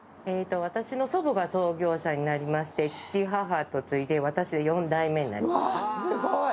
私の祖母が創業者になりまして、父、母と継いで、私で４代目になります。